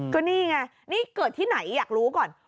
ก็นี่ไงนี่เกิดที่ไหนอยากรู้ก่อน